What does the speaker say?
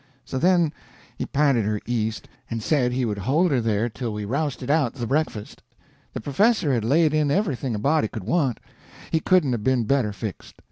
So then he p'inted her east, and said he would hold her there till we rousted out the breakfast. The professor had laid in everything a body could want; he couldn't 'a' been better fixed.